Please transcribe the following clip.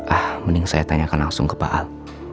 ah mending saya tanyakan langsung ke pak alp